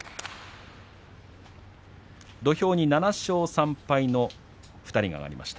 土俵に７勝３敗の２人が上がりました。